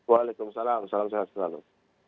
wa'alaikumussalam salam sehat selalu